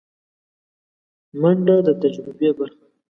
منډه د تجربې برخه ده